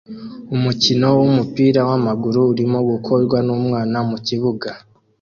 Umukino wumupira wamaguru urimo gukorwa numwana mukibuga